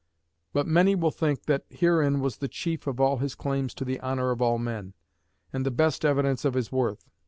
But many will think that herein was the chief of all his claims to the honor of all men, and the best evidence of his worth.